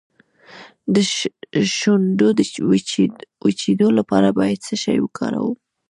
د شونډو د وچیدو لپاره باید څه شی وکاروم؟